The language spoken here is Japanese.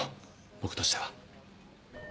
僕としては。